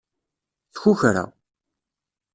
Tkukra.